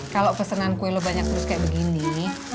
kalau pesenan kue lu banyak terus kayak begini